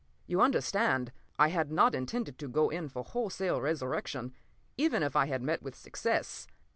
You understand, I had not intended to go in for wholesale resurrection, even if I had met with success.